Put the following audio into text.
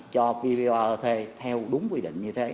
cho vvvr thuê theo đúng quy định như thế